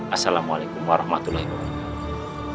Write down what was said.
assalamualaikum warahmatullahi wabarakatuh